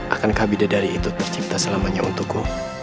akankah bidadari itu tercipta selamanya untukku